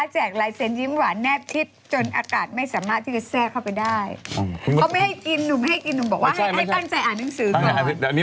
เฉยแล้วใครจะเอาล่ะ